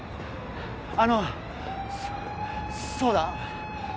あのそうだ